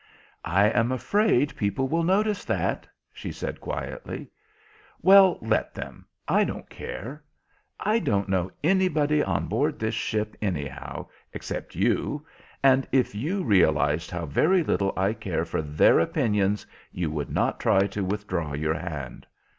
"I am afraid people will notice that," she said quietly. "Well, let them; I don't care. I don't know anybody on board this ship, anyhow, except you, and if you realised how very little I care for their opinions you would not try to withdraw your hand."